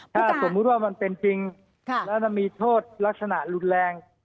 ถ้าสมมุติว่ามันเป็นจริงแล้วมีโทษลักษณะรุนแรง